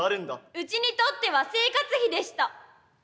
うちにとっては生活費でした。